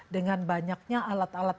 dengan banyaknya alat alat